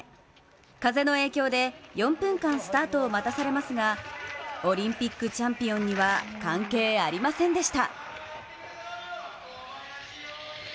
風の影響で４分間スタートを待たされますが、オリンピックチャンピオンには関係ありませんでした。